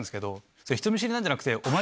それ人見知りなんじゃなくて。